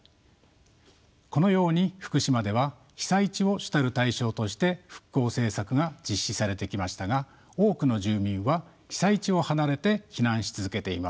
このように福島では被災地を主たる対象として復興政策が実施されてきましたが多くの住民は被災地を離れて避難し続けています。